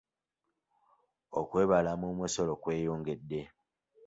Okwebalama omusolo kweyongedde.